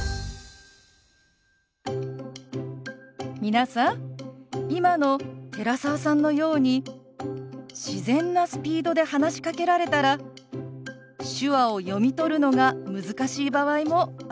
皆さん今の寺澤さんのように自然なスピードで話しかけられたら手話を読み取るのが難しい場合もありますよね。